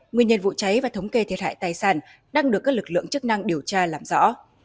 nguyên nhân vụ cháy và thống kê thiệt hại tài sản đang được các lực lượng chức năng điều tra làm rõ